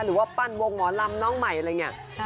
หรือว่าปั้นวงหมอลำน้องใหม่อะไรอย่างนี้